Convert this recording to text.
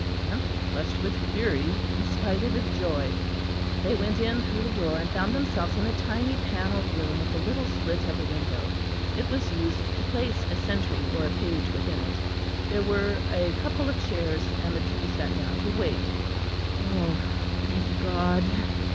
Anthony flushed with fury in spite of his joy. They went in through the door, and found themselves in a tiny panelled room with a little slit of a window; it was used to place a sentry or a page within it. There were a couple of chairs, and the two sat down to wait. "Oh, thank God!"